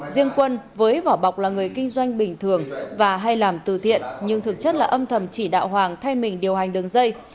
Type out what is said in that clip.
riêng quân với vỏ bọc là người kinh doanh bình thường và hay làm từ thiện nhưng thực chất là âm thầm chỉ đạo hoàng thay mình điều hành đường dây